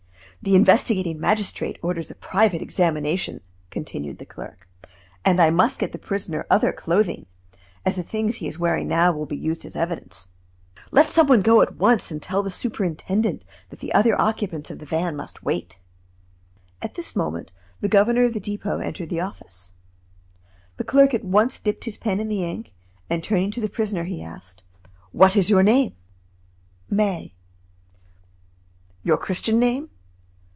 "The investigating magistrate orders a private examination," continued the clerk, "and I must get the prisoner other clothing, as the things he is wearing now will be used as evidence. Let some one go at once and tell the superintendent that the other occupants of the van must wait." At this moment, the governor of the Depot entered the office. The clerk at once dipped his pen in the ink, and turning to the prisoner he asked: "What is your name?" "May." "Your Christian name?"